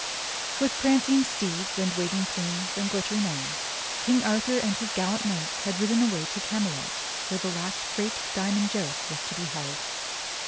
^ ^f^ITH prancing steeds and waving plumes and glittering arms, King Arthur and his gallant knights had ridden away to Camelot where the last great "diamond joust" was to be held.